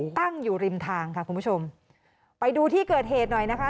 ตั้งอยู่ริมทางค่ะคุณผู้ชมไปดูที่เกิดเหตุหน่อยนะคะ